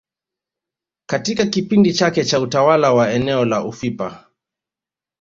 Katika kipindi chake cha utawala wa eneo la ufipa